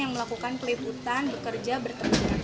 yang melakukan peliputan bekerja bertemu dengan para jamaah